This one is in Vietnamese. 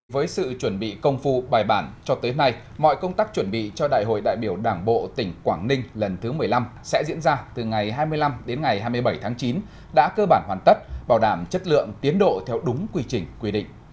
với sự chuẩn bị công phu bài bản cho tới nay mọi công tác chuẩn bị cho đại hội đại biểu đảng bộ tỉnh quảng ninh lần thứ một mươi năm sẽ diễn ra từ ngày hai mươi năm đến ngày hai mươi bảy tháng chín đã cơ bản hoàn tất bảo đảm chất lượng tiến độ theo đúng quy trình quy định